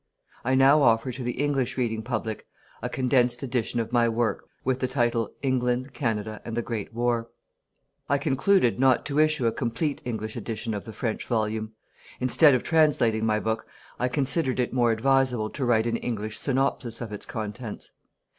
I now offer to the English reading public a condensed edition of my work, with the title "England, Canada and the Great War." I concluded not to issue a complete English Edition of the French volume. Instead of translating my book, I considered it more advisable to write an English synopsis of its contents.